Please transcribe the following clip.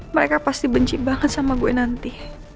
mereka pasti benci banget sama gue nanti